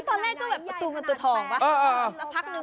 ตอนแรกก็แบบตัวเหมือนตัวทองป่ะ